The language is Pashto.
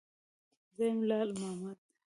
_زه يم، لال مامد.